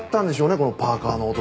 このパーカの男は。